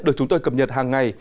được chúng tôi cập nhật hàng ngày